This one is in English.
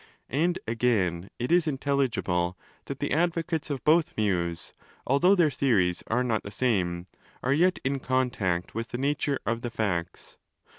And, again, it is intelligible that the advocates of both views, although their theories are not the same, are 15 yet in contact with the nature of the facts.